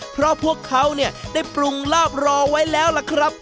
เพราะพวกเขาเนี่ยได้ปรุงลาบรอไว้แล้วล่ะครับ